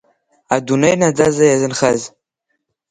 Адунеи наӡаӡа иазынхаз.